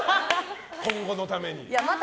今後のために。